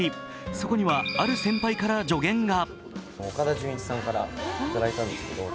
そこにはある先輩から助言が。